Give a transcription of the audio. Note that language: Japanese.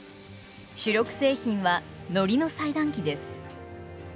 主力製品はのりの裁断機です。